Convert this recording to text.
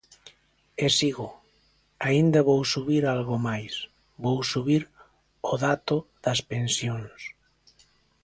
E sigo, aínda vou subir algo máis, vou subir o dato das pensións.